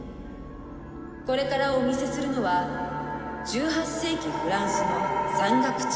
これからお見せするのは１８世紀フランスの山岳地帯。